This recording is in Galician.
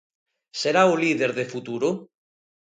Será o líder de futuro?